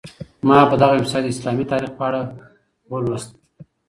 ما په دغه ویبسایټ کي د اسلامي تاریخ په اړه ولوسهمېشه.